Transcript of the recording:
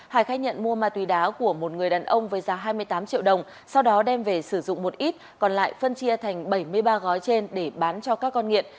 hải khai nhận mua ma túy đá của một người đàn ông với giá hai mươi tám triệu đồng sau đó đem về sử dụng một ít còn lại phân chia thành bảy mươi ba gói trên để bán cho các con nghiện